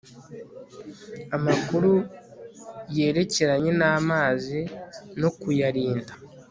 amakuru yerekeranye n'amazi no kuyarinda